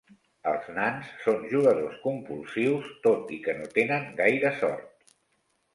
Els nans són jugadors compulsius, tot i que no tenen gaire sort.